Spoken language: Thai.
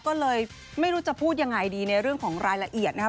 ก็เลยไม่รู้จะพูดยังไงดีในเรื่องของรายละเอียดนะครับ